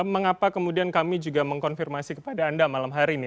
mengapa kemudian kami juga mengkonfirmasi kepada anda malam hari ini